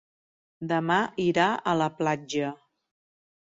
Demà irà a la platja.